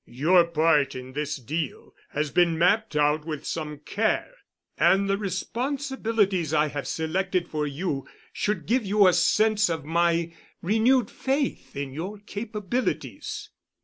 Your part in this deal has been mapped out with some care, and the responsibilities I have selected for you should give you a sense of my renewed faith in your capabilities.